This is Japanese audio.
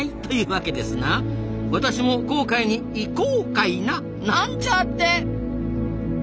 私も紅海に行こうかいななんちゃって。